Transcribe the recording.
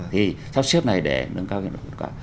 thì sau xếp này để nâng cao hiệu lực hiệu quả